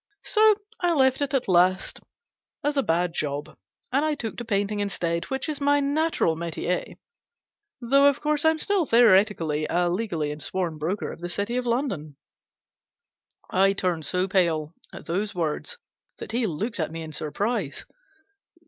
So I left it at last as a bad job, and took to painting instead, which is my natural metier ; though, of course, I'm still theoretically and legally a sworn broker of the City of London." I turned so pale at those words that he looked at me in surprise.